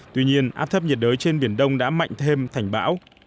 tuy nhiên áp thấp nhiệt đới trên biển đông đã mạnh thêm thành bão